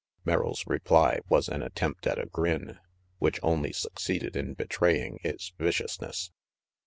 Merrill's reply was an attempt at a grin which only succeeded in betraying its viciousness.